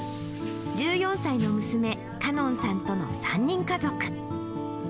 １４歳の娘、かのんさんとの３人家族。